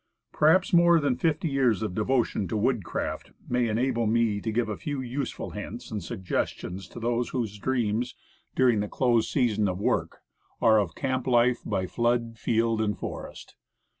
Perhaps more than fifty years of devotion to "woodcraft" may enable me to give a few useful hints and suggestions to those whose dreams, during the close season of work, are of camp life by flood, field and forest.